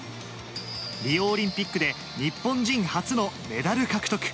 リオオリンピックで日本人初のメダル獲得。